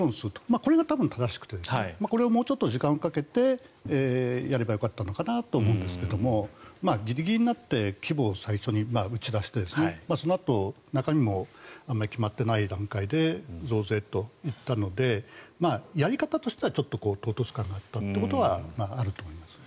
これが多分正しくてこれをもうちょっと時間をかけてやればよかったのかなと思いますがギリギリになって規模を最初に打ち出してそのあと中身もあまり決まってない段階で増税と言ったのでやり方としては唐突感があったことはあると思います。